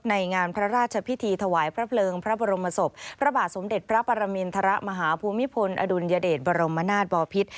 ในงานพระราชพิธีถวายพระเพลิงพระบรมศพพระบาทสมเด็จพระปรมินทรมาฮภูมิพลอดุลยเดชบรมนาศบอพิษ